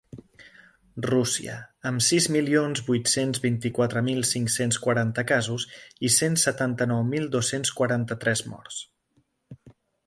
Rússia, amb sis milions vuit-cents vint-i-quatre mil cinc-cents quaranta casos i cent setanta-nou mil dos-cents quaranta-tres morts.